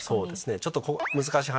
ちょっと。